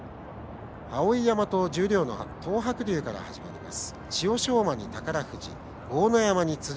碧山と十両の東白龍から始まります。